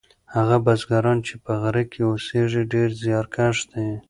هغه بزګران چې په غره کې اوسیږي ډیر زیارکښ دي.